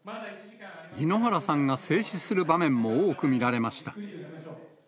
井ノ原さんが制止する場面も多く見られました。